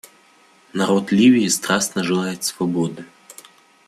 Народ Ливии страстно желает свободы.